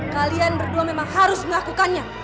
kalian berdua memang harus melakukannya